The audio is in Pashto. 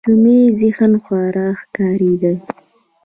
جمعي ذهن خوار ښکارېده